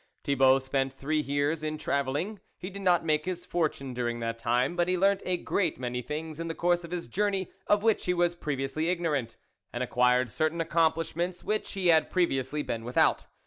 Thibault spent three years in travel ling; "he did not make his fortune dur ing that time, but he learnt a great many things in the course of his journey of which he was previously ignorant, and acquired certain accomplishments which he had previously been without.